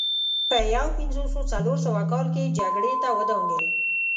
په یو پنځوس او څلور سوه کال کې یې جګړې ته ودانګل